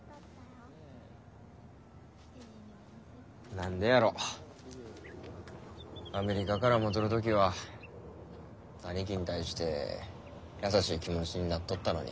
何でやろアメリカから戻る時は兄貴に対して優しい気持ちになっとったのに。